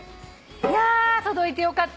いや届いてよかった。